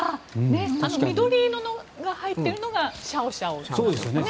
緑色が入っているのがシャオシャオなんですよね。